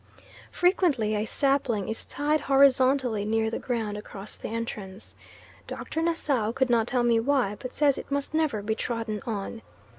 Frequently a sapling is tied horizontally near the ground across the entrance. Dr. Nassau could not tell me why, but says it must never be trodden on.